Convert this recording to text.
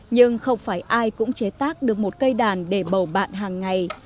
nhưng không phải ai cũng chế tác được một cây đàn để bầu bạn hàng ngày